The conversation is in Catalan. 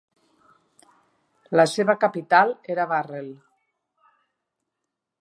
La seva capital era Burrel.